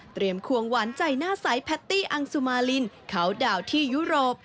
เตรียมควงหวานใจหน้าสายแพตตี้อังซูมาลินเคาส์ดาวท์ที่ยุโรป